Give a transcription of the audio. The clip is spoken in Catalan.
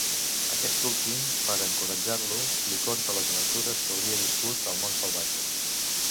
Aquest últim, per a encoratjar-lo, li conta les aventures que hauria viscut al món salvatge.